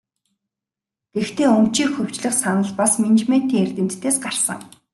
Гэхдээ өмчийг хувьчлах санал бас менежментийн эрдэмтдээс гарсан.